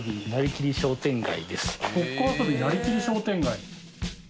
「ごっこ遊びなりきり商店街」？